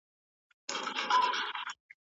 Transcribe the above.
ایا ستاسو په کلي کې لا هم په غلبېل کې اوړه بېلوي؟